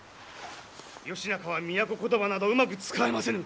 義仲は都言葉などうまく使えませぬ。